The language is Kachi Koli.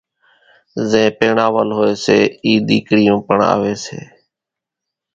زين پيڻاول ھوئي سي اِي ۮيڪريون پڻ آوي سي